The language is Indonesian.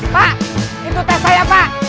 pak itu tes saya pak